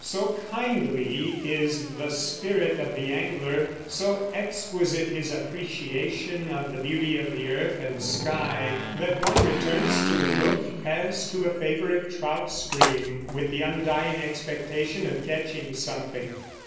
So kindly is the spirit of the angler, so exquisite his appreciation of the beauty of the earth and sky, that one returns to the book, as to a favorite trout stream, with the undying expectation of catching something.